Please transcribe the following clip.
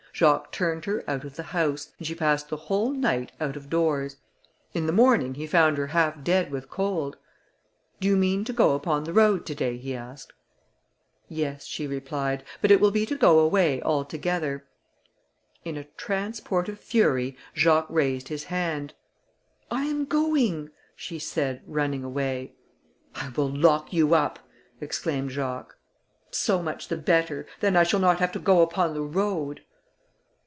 Jacques turned her out of the house, and she passed the whole night out of doors. In the morning he found her half dead with cold: "Do you mean to go upon the road to day?" he asked. "Yes," she replied, "but it will be to go away altogether." In a transport of fury Jacques raised his hand. "I am going," she said, running away. "I will lock you up," exclaimed Jacques. "So much the better; then I shall not have to go upon the road."